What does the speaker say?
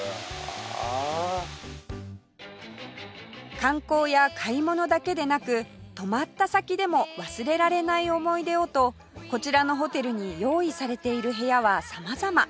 観光や買い物だけでなく泊まった先でも忘れられない思い出をとこちらのホテルに用意されている部屋は様々